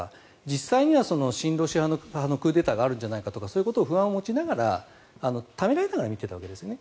実際には親ロシア派のクーデターがあるんじゃないかとかそういう不安を持ちながらためらいながら見ていたわけですね。